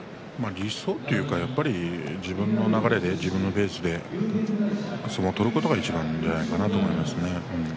理想というか自分の流れで自分のペースで相撲を取ることがいちばんじゃないかなと思いますね。